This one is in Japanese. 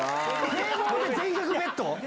堤防で全額ベット？